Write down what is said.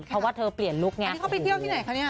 เพราะว่าเธอเปลี่ยนลุคไงอันนี้เขาไปเที่ยวที่ไหนคะเนี่ย